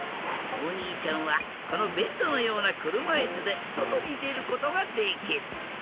おにいちゃんはこのベッドのようなくるまいすでそとにでることができる！